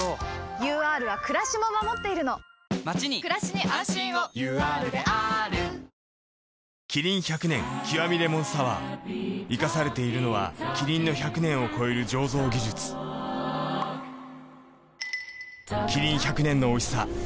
ＵＲはくらしも守っているのまちにくらしに安心をＵＲであーる麒麟百年極み檸檬サワー生かされているのはキリンの百年を超える醸造技術キリン百年のおいしさ、できました。